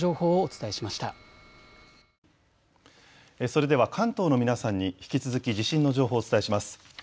それでは関東の皆さんに引き続き地震の情報をお伝えします。